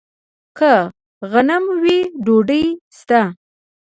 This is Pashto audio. که غنم وي، ډوډۍ شته.